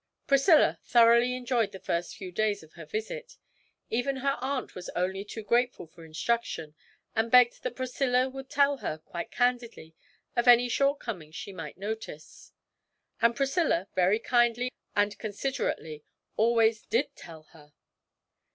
Priscilla thoroughly enjoyed the first few days of her visit; even her aunt was only too grateful for instruction, and begged that Priscilla would tell her, quite candidly, of any shortcomings she might notice. And Priscilla, very kindly and considerately, always did tell her.